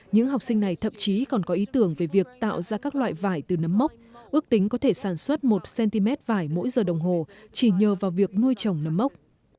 những học sinh này thậm chí còn có ý tưởng về việc tạo ra các loại vải từ nấm mốc ước tính có thể sản xuất một cm vải mỗi giờ đồng hồ chỉ nhờ vào việc nuôi trồng nấm mốc